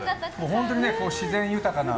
本当に自然豊かな。